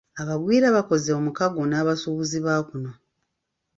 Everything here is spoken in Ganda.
Abagwira bakoze omukago n'abasuubuzi ba kuno.